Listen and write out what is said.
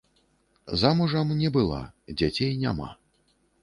Замужам не была, дзяцей няма.